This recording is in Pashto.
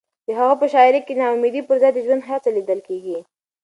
د هغه په شاعرۍ کې د ناامیدۍ پر ځای د ژوند هڅه لیدل کېږي.